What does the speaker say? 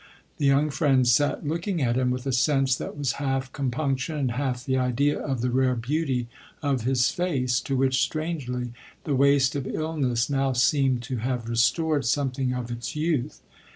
The young friend sat looking at him with a sense that was half compunction and half the idea of the rare beauty of his face, to which, strangely, the waste of illness now seemed to have restored something of its youth.